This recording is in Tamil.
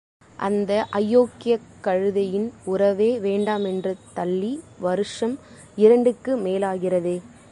அந்த அயோக்கியக் கழுதையின் உறவே வேண்டாமென்று தள்ளி வருஷம் இரண்டுக்கு மேலாகிறதே.